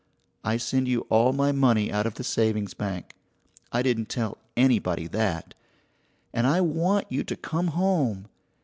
I send you all my money out of the savings bank (I didn't tell anybody that), and I want you to come home.